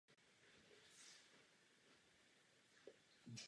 Pokud Lisabonská smlouva ratifikována nebude, zůstane Evropa bez budoucnosti.